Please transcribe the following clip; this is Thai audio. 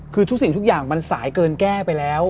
คือทุกสิ่งทุกอย่างมันสายเกินแก้ไปแล้ว